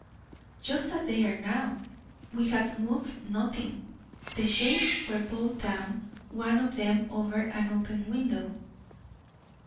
"Just as they are now; we have moved nothing. The shades were both down one of them over an open window."